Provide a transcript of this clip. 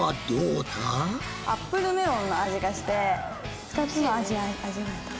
アップルメロンの味がして２つの味を味わえた。